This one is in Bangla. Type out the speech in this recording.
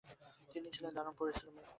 তিনি ছিলেন দারুণ পরিশ্রমী।